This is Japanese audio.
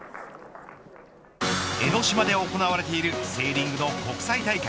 江ノ島で行われているセーリングの国際大会。